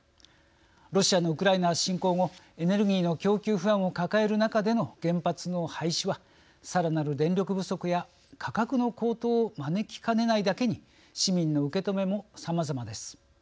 ロシアのウクライナ侵攻後エネルギーの供給不安を抱える中での原発の廃止はさらなる電力不足や価格の高騰を招きかねないだけに市民の受け止めもさまざまです。